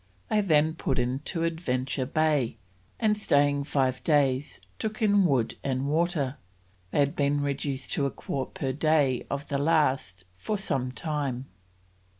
They then put in to Adventure Bay, and staying five days took in wood and water; they had been reduced to a quart per day of the last for some time.